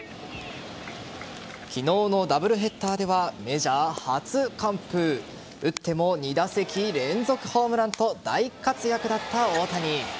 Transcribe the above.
昨日のダブルヘッダーではメジャー初完封打っても２打席連続ホームランと大活躍だった大谷。